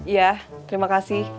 iya terima kasih